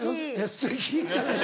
「すてき」じゃない。